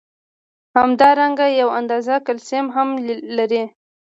همدارنګه یو اندازه کلسیم هم لري.